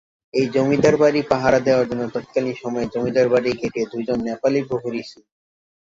এই জমিদার বাড়ি পাহারা দেওয়ার জন্য তৎকালীন সময়ে জমিদার বাড়ির গেটে দুইজন নেপালী প্রহরী ছিল।